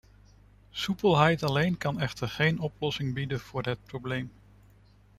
Soepelheid alleen kan echter geen oplossing bieden voor het probleem.